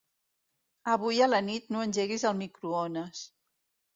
Avui a la nit no engeguis el microones.